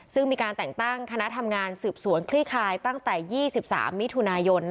ซึ่งมีการแต่งตั้งคณะทำงานสืบสวนคลี่คลายตั้งแต่๒๓มิถุนายน